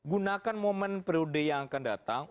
gunakan momen periode yang akan datang